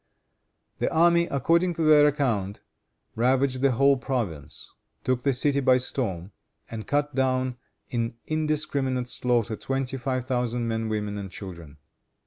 The army, according to their account, ravaged the whole province; took the city by storm; and cut down in indiscriminate slaughter twenty five thousand men, women and children.